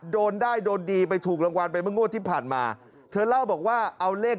โดนได้โดนดีถูกรางวัลเป็นเมื่อก้